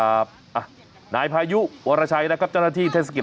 อ่ะนายพายุวรชัยนะครับเจ้าหน้าที่เทศกิจในคลิป